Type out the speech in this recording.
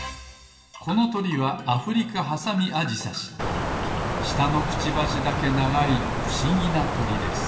このとりはアフリカハサミアジサシしたのクチバシだけながいふしぎなとりです。